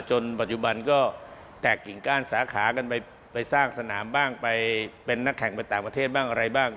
ปัจจุบันก็แตกกิ่งก้านสาขากันไปสร้างสนามบ้างไปเป็นนักแข่งไปต่างประเทศบ้างอะไรบ้าง